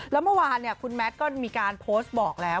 แล้วเมื่อวานคุณแมทก็มีการโพสต์บอกแล้ว